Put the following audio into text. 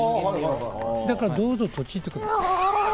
だから、どうぞトチってください。